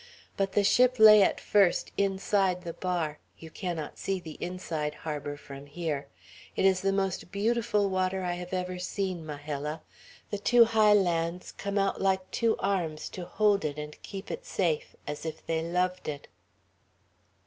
"But the ship lay at first inside the bar; you cannot see the inside harbor from here. It is the most beautiful water I have ever seen, Majella. The two high lands come out like two arms to hold it and keep it safe, as if they loved it."